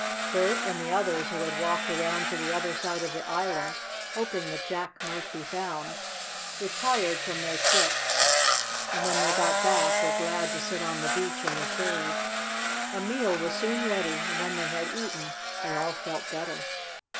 Bert and the others who had walked around to the other side of the island, hoping that Jack might be found, were tired from their trip, and when they got back were glad to sit on the beach in the shade. A meal was soon ready, and when they had eaten they all felt better.